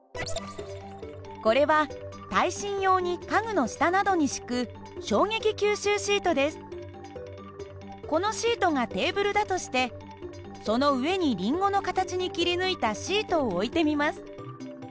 これは耐震用に家具の下などに敷くこのシートがテーブルだとしてその上にりんごの形に切り抜いたシートを置いてみます。